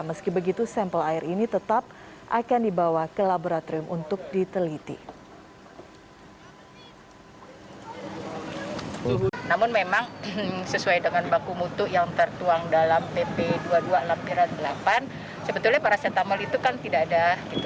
meski begitu sampel air ini tetap akan dibawa ke laboratorium untuk diteliti